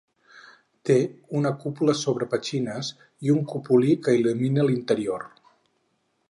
Té una cúpula sobre petxines i un cupulí que il·lumina l'interior.